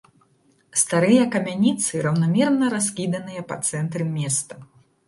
Старыя камяніцы раўнамерна раскіданыя па цэнтры места.